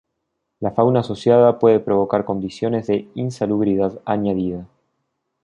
La fauna asociada puede provocar condiciones de insalubridad añadida.